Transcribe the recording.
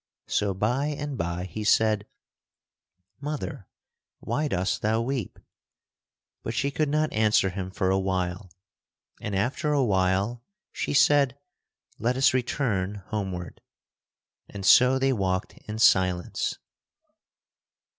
So by and by he said, "Mother, why dost thou weep?" But she could not answer him for a while, and after a while she said, "Let us return homeward." And so they walked in silence.